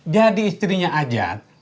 jadi istrinya ajat